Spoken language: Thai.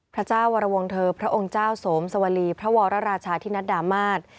พระเจ้าวรวงเธอพระองค์เจ้าสวมสวรีพระวรราชาธินัดดามาศ